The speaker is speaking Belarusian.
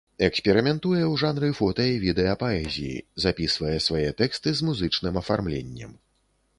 Эксперыментуе ў жанры фота і відэа-паэзіі, запісвае свае тэксты з музычным афармленнем.